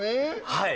はい。